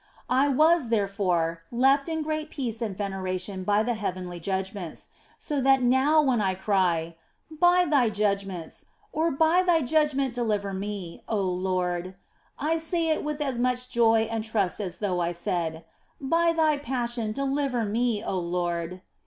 I was, therefore, left in great peace and veneration by the heavenly judgments ; so that now when I cry, " By Thy judgments, or by Thy judgment deliver me, oh Lord," I say it with as much joy and trust as though I said, " By Thy Passion deliver me, oh Lord."